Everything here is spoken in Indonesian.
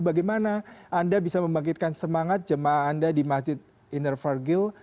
bagaimana anda bisa membangkitkan semangat jemaah anda di masjid inner fergil